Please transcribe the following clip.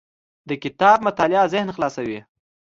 د کتاب مطالعه ذهن خلاصوي.